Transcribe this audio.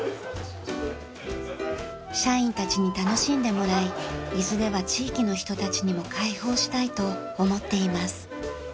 社員たちに楽しんでもらいいずれは地域の人たちにも開放したいと思っています。